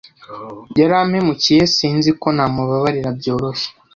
yarampemukiye sinzi ko namubabarira byoroshye